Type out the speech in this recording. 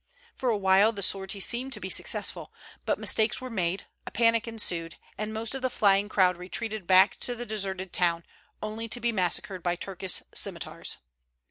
For a while the sortie seemed to be successful; but mistakes were made, a panic ensued, and most of the flying crowd retreated back to the deserted town, only to be massacred by Turkish scimitars.